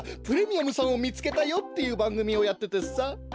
「プレミアムさんを見つけたよ！」っていうばんぐみをやっててさ。